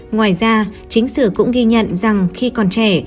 ngoài ra chính sử cũng ghi nhận rằng khi còn trẻ